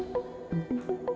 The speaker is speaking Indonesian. terima kasih om